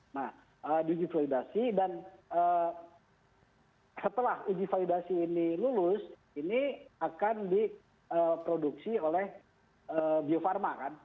nah diuji validasi dan setelah uji validasi ini lulus ini akan diproduksi oleh bio farma kan